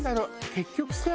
結局さ